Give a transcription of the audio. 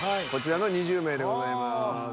こちらの２０名でございます。